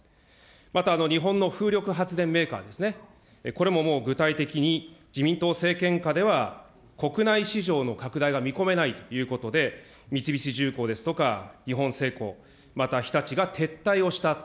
また、日本の風力発電メーカーですね、これももう具体的に、自民党政権下では国内市場の拡大が見込めないということで、三菱重工ですとか、日本製鋼、また日立が撤退をしたと。